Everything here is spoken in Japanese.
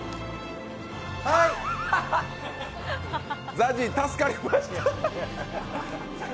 ＺＡＺＹ、助かりました。